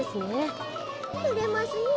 てれますねえ。